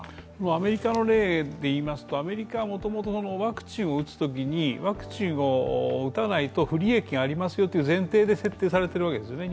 アメリカの例で言いますと、アメリカはもともとワクチンを打つときに、ワクチンを打たないと不利益がありますということが前提で設定されているわけですね。